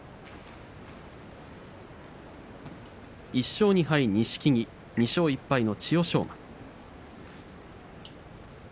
１勝２敗、錦木２勝１敗の千代翔